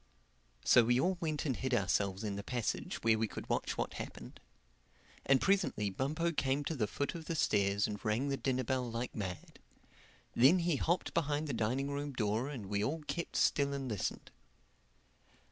So we all went and hid ourselves in the passage where we could watch what happened. And presently Bumpo came to the foot of the stairs and rang the dinner bell like mad. Then he hopped behind the dining room door and we all kept still and listened.